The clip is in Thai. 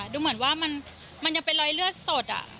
ดูเหมือนว่ามันยังเป็นรอยเลือดสด